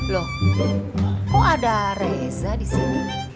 loh kok ada reza disini